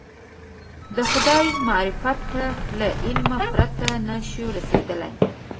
د خدای معرفت ته له علم پرته نه شو رسېدلی.